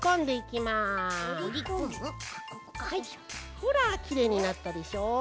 ほらきれいになったでしょ。